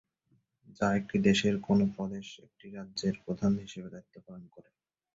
যা একটি দেশের কোন প্রদেশ একটি রাজ্যের প্রধান হিসেবে দায়িত্ব পালন করেন।